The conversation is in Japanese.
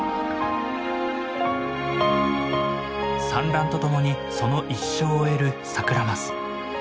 産卵とともにその一生を終えるサクラマス。